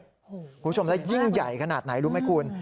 คุณผู้ชมแล้วยิ่งใหญ่ขนาดไหนรู้ไหมคุณ